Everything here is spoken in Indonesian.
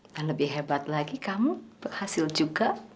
dan lebih hebat lagi kamu berhasil juga